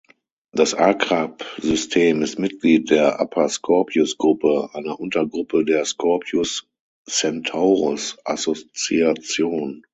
Das Akrab-System ist Mitglied der Upper-Scorpius-Gruppe, einer Untergruppe der Scorpius-Centaurus-Assoziation.